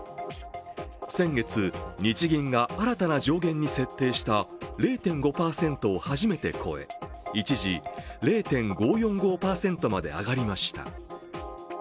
先月、日銀が新たな上限に設定した０．５％を初めて超え一時０．５４５％まで上がりました。